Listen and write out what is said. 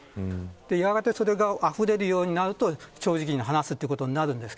やがて、それがあふれるようになると正直に話すということになります。